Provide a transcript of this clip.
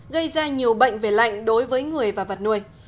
gây ra nhiều bệnh về lạnh đối với người và vật nuôi